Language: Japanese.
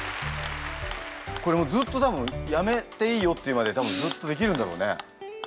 これずっと多分「やめていいよ」って言うまで多分ずっとできるんだろうね。